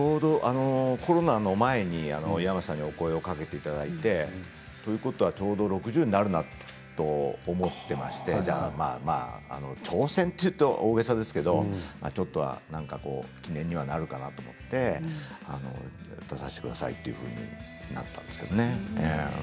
コロナの前に、岩松さんにお声をかけていただいてちょうど６０歳になるなと思っていまして挑戦というと大げさですけれどちょっとは記念になるかなと思って出させてくださいというふうになったんです。